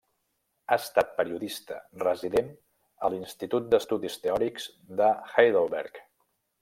Ha estat periodista resident a l'Institut d'Estudis Teòrics de Heidelberg.